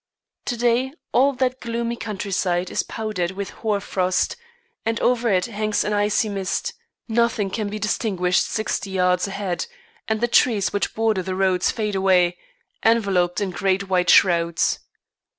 To day all that gloomy countryside is powdered with hoar frost and over it hangs an icy mist; nothing can be distinguished sixty yards ahead, and the trees which border the roads fade away, enveloped in great white shrouds.